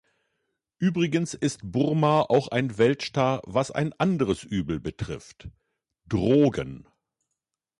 Übrigens ist Burma auch ein Weltstar, was ein anderes Übel betrifft: Drogen.